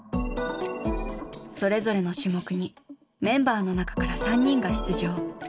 それぞれの種目にメンバーの中から３人が出場。